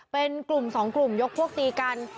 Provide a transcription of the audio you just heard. เป็นกลุ่มสองกลุ่มยกพวกตีกัน